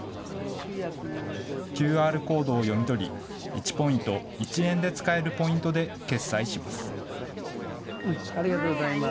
ＱＲコードを読み取り、１ポイント、１円で使えるポイントで決済します。